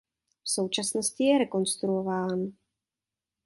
V současnosti je rekonstruován.